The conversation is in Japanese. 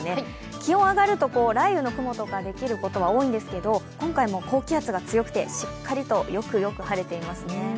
気温上がると雷雨の雲とかできることが多いんですけど、今回も高気圧が強くてしっかりとよくよく晴れていますね。